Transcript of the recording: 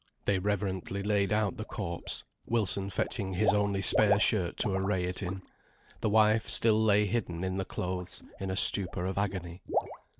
They reverently laid out the corpse Wilson fetching his only spare shirt to array it in. The wife still lay hidden in the clothes, in a stupor of agony.